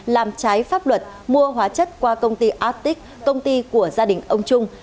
làm trái pháp luật mua hóa chất qua công ty atic công ty của gia đình ông trung